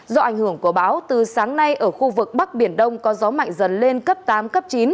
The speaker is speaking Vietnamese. do ảnh hưởng của báo từ sáng nay ở khu vực bắc biển đông có gió mạnh dần lên cấp tám cấp chín